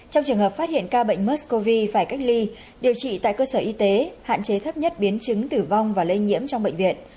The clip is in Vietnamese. trong trường hợp phát hiện ca bệnh mexcov phải cách ly điều trị tại cơ sở y tế hạn chế thấp nhất biến chứng tử vong và lây nhiễm trong bệnh viện